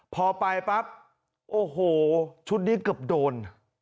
พอไปปั๊บโอ้โหชุดนี้เกือบโดน